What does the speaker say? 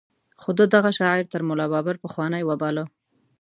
خو ده دغه شاعر تر ملا بابړ پخوانۍ وباله.